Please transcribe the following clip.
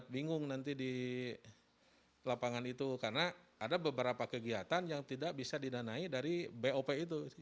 bingung nanti di lapangan itu karena ada beberapa kegiatan yang tidak bisa didanai dari bop itu